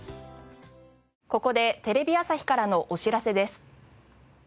ここでテレビ朝日からのお知らせです。